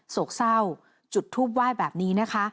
โศกเศร้าจุดทูปไหว้แบบนี้นะคะ